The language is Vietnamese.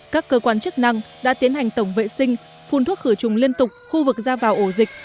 các cơ quan chức năng đã tiến hành tổng vệ sinh phun thuốc khử trùng liên tục khu vực ra vào ổ dịch